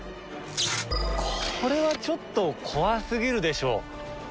これはちょっと怖過ぎるでしょ。